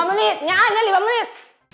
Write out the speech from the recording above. lima menit nyana lima menit